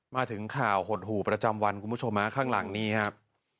มาถึงข่าวหดหู่ประจำวันคุณผู้ชมฮะข้างหลังนี้ครับ